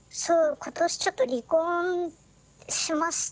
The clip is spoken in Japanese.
今年ちょっと離婚しまして。